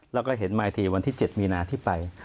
เราก็เห็นมาทีวันที่๗มีนาที่ไป